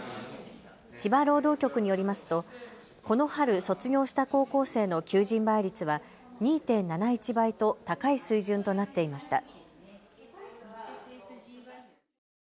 千葉労働局によりますとこの春卒業した高校生の求人倍率は２．７１倍と高い水準となっていました。